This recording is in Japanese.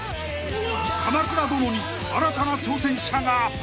［鎌暗殿に新たな挑戦者が］